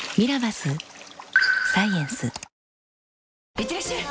いってらっしゃい！